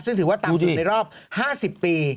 ซึ่งถือว่าต่ำสุดในรอบ๕๐ปี